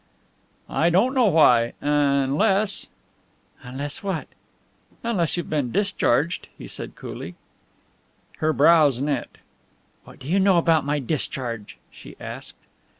"I don't know why unless " "Unless what?" "Unless you have been discharged," he said coolly. Her brows knit. "What do you know about my discharge?" she asked.